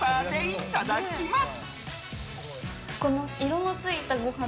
いただきます。